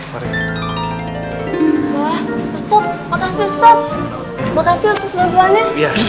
wah ustaz makasih ustaz makasih untuk bantuannya